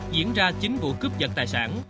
diễn ra chín vụ cướp vật tài sản